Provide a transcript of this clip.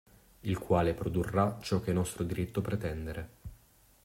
Il quale produrrà ciò che è nostro diritto pretendere.